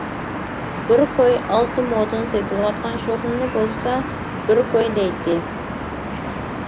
بىر كوي ئالتە مودىن سېتىلىۋاتقان شوخلىنى بولسا «بىر كوي» دەيتتى.